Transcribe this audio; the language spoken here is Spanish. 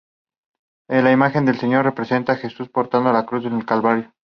La imagen del Señor representa a Jesús portando la cruz camino al Calvario.